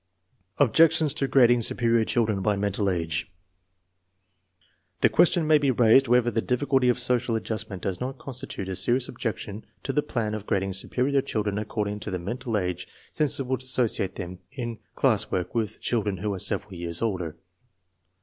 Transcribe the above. Objections to grading superior children by mental age. The question may be raised whether the diffi culty of social adjustment does not constitute a serious objection to the plan of grading superior children ac cording to mental age, since this would associate them in class work with children who are several years older.